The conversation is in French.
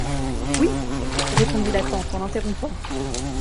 Oui, répondit la tante en l’interrompant.